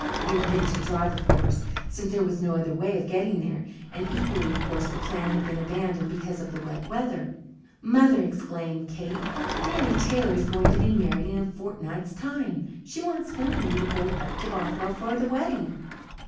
We had meant to drive, of course, since there was no other way of getting there, and equally of course the plan had been abandoned because of the wet weather. "Mother," exclaimed Kate, "Mary Taylor is going to be married in a fortnight's time! She wants Phil and me to go up to Bothwell for the wedding."